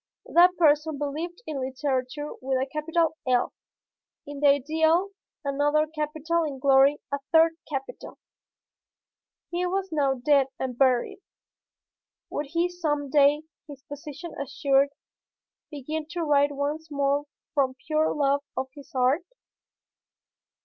That person believed in Literature with a capital "L;" in the Ideal, another capital; in Glory, a third capital. He was now dead and buried. Would he some day, his position assured, begin to write once more from pure love of his art?